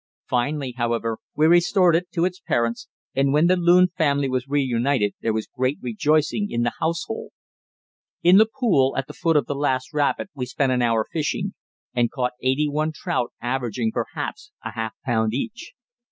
Finally, however, we restored it to its parents, and when the loon family was re united there was great rejoicing in the household. In the pool at the foot of the last rapid we spent an hour fishing, and caught eighty one trout, averaging, perhaps, a half pound each.